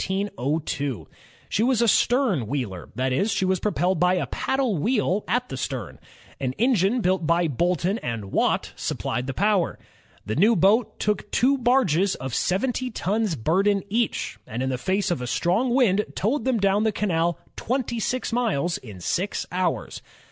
She was a stern wheeler, that is, she was propelled by a paddle wheel at the stern. An engine built by Boulton and Watt supplied the power. The new boat took two barges of seventy tons burden each, and in the face of a strong wind toWed them down the canal twenty miles in six hours.